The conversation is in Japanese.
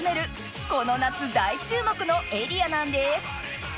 この夏大注目のエリアなんです